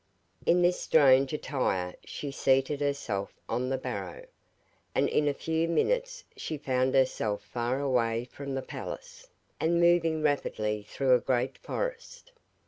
In this strange attire she seated herself on the barrow, and in a few minutes she found herself far away from the palace, and moving rapidly through a great forest.